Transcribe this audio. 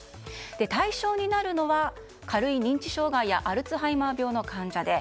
対象になるのは軽い認知障害やアルツハイマー病の患者です。